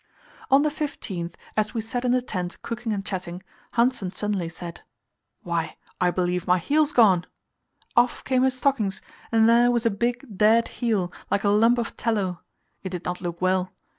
On the 15th, as we sat in the tent cooking and chatting, Hanssen suddenly said: "Why, I believe my heel's gone!" Off came his stockings, and there was a big, dead heel, like a lump of tallow. It did not look well.